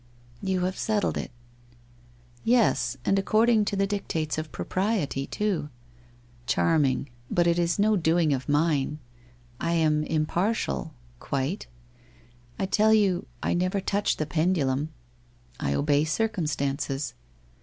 ' You have settled it.' ' Yes, and according to the dictates of propriety, too. Charming! But it is no doing of mine. I am impartial — quite. I tell you, I never touch the pendulum. I obey circumstances.